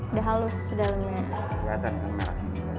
udah halus di dalamnya